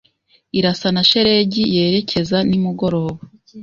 Irasa na shelegi yerekeza nimugoroba.